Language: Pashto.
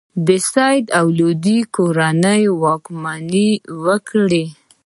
د سید او لودي کورنۍ واکمني وکړه.